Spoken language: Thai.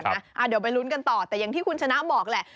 เดี๋ยวไปลุ้นกันต่อแต่อย่างที่คุณชนะบอกแหละ